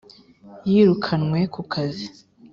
Yirukanwe kukazi